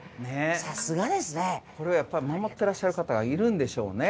さすがですね。これをやっぱり守ってらっしゃる方がいるんでしょうね。